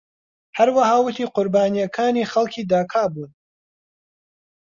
هەروەها ووتی قوربانیەکانی خەڵکی داکا بوون.